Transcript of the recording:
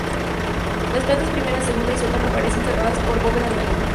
Las plantas primera, segunda y sótano aparecen cerradas por bóveda de cañón.